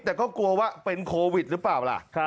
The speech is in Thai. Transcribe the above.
แต่ก็กลัวว่าเป็นโควิดหรือเปล่าล่ะ